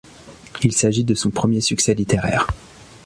Il sagit de son premier succès littéraire.